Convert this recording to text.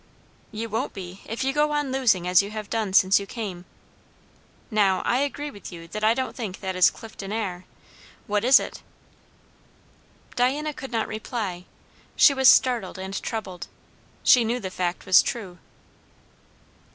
"You won't be, if you go on losing as you have done since you came. Now I agree with you that I don't think that is Clifton air. What is it?" Diana could not reply. She was startled and troubled. She knew the fact was true.